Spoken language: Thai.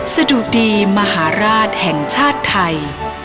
สะดุดีมหาราชแห่งชาติไทย